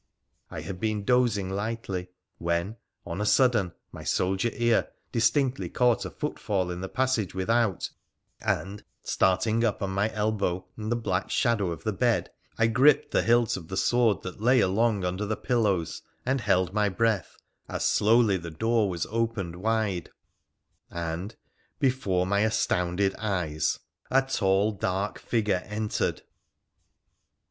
I had been dozing lightly, when, on a sudden, my soldier ear distinctly caught a footfall in the passage without, and, starting up upon my elbow in the black shadow of the bed, I gripped the hilt of the sword that lay along under the pillows and held my breath, as slowly the door was opened wide, and, before my astounded eyes, a tall, dark figure entered